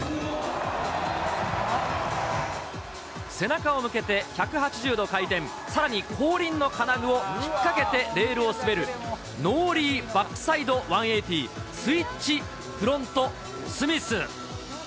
背中を向けて１８０度回転、さらに後輪の金具を引っ掛けてレールを滑る、ノーリーバックサイド１８０スイッチフロントスミス。